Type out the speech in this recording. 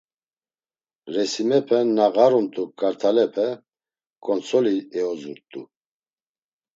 Resimepe na ğarumt̆u kart̆alepe ǩontsoli eozurt̆u.